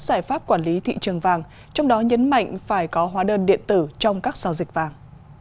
giải pháp quản lý thị trường vàng trong đó nhấn mạnh phải có hóa đơn điện tử trong các giao dịch vàng